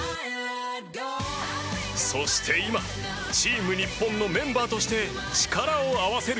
そして、今チーム日本のメンバーとして力を合わせる。